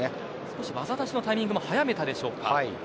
技出しのタイミングも早めたでしょうか。